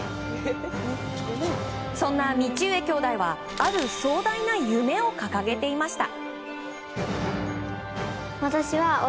そんな道上兄妹はある壮大な夢を掲げていました。